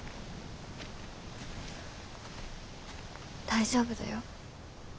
大丈夫だよ。